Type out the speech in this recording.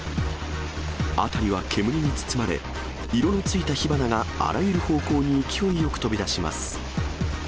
辺りは煙に包まれ、色のついた火花があらゆる方向に勢いよく飛び出します。